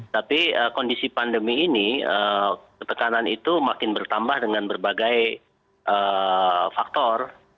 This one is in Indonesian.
tapi kondisi pandemi ini tekanan itu makin bertambah dengan berbagai faktor